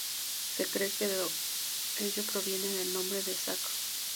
Se cree que de ello proviene el nombre de sacro.